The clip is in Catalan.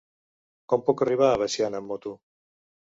Com puc arribar a Veciana amb moto?